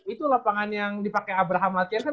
itu lapangan yang dipake abraham latihan kan